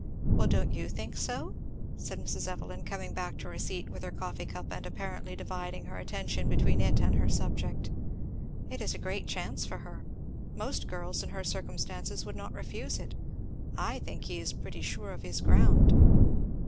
"Well don't you think so?" said Mrs. Evelyn, coming back to her seat with her coffee cup, and apparently dividing her attention between it and her subject, "It's a great chance for her most girls in her circumstances would not refuse it I think he's pretty sure of his ground."